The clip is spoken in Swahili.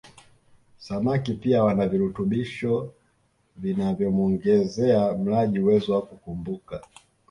Samaki pia wana virutubisho vinavyomuongezea mlaji uwezo wa kukumbuka